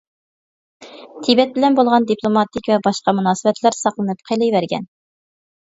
تىبەت بىلەن بولغان دىپلوماتىك ۋە باشقا مۇناسىۋەتلەر ساقلىنىپ قېلىۋەرگەن.